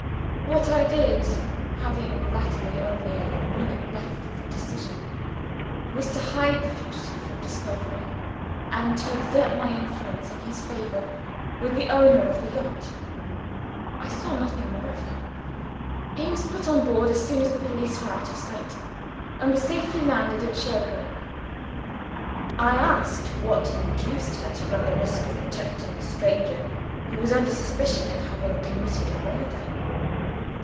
What I did (having literally only a minute left for decision) was to hide the fugitive from discovery, and to exert my influence in his favor with the owner of the yacht. I saw nothing more of him. He was put on board, as soon as the police were out of sight, and was safely landed at Cherbourg.' "I asked what induced her to run the risk of protecting a stranger, who was under suspicion of having committed a murder.